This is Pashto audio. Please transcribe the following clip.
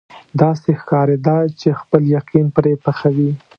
داسې ښکارېده چې خپل یقین پرې پخوي.